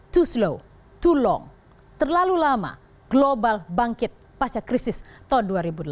too slow too long terlalu lama global bangkit pasca krisis tahun dua ribu delapan